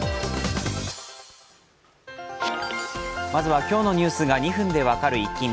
まずは今日のニュースが２分で分かるイッキ見。